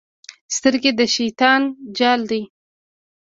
سترګې د شیطان جال دی.